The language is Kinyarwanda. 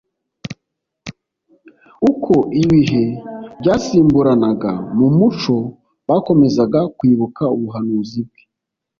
Uko ibihe byasimburanaga mu muco bakomezaga kwibuka ubuhanuzi bwe.